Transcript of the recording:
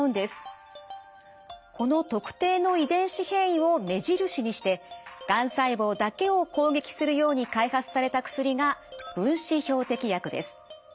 この特定の遺伝子変異を目印にしてがん細胞だけを攻撃するように開発された薬が分子標的薬です。